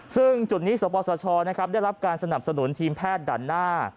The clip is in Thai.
ซึ่งจุดนี้สปสชได้รับการสนับสนุนทีมแพทย์ด่านหน้า